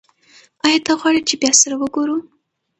ایا ته غواړې چې بیا سره وګورو؟